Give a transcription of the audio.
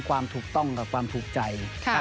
ความถูกต้องกับความถูกใจ